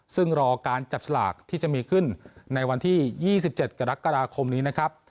ซึ่งรอการจับสลากที่จะมีขึ้นในวันที่๒๗กรกฎาคมนี้นะครับ